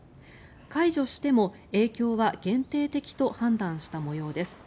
解除しても影響は限定的と判断した模様です。